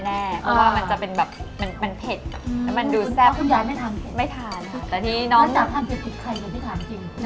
เพราะว่ามันจะเป็นแบบมันเผ็ดแล้วมันดูแซ่บคุณยายไม่ทาน